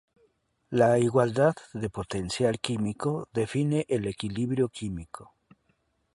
La igualdad de potencial químico define el equilibrio químico.